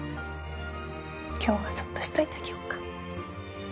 今日はそっとしておいてあげようか。